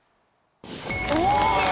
お！